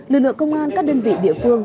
lực lượng công an các đơn vị địa phương